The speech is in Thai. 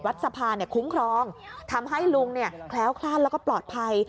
วัดสะพานด์คุ้มครองทำให้ลุงเนี่ยแคล้วคล่านแล้วปลอดภัย